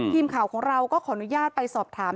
ทีมข่าวของเราก็ขออนุญาตไปสอบถาม